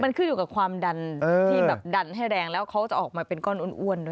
มันขึ้นอยู่กับความดันที่แบบดันให้แรงแล้วเขาจะออกมาเป็นก้อนอ้วนด้วย